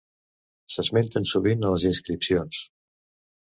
S'esmenten sovint a les inscripcions.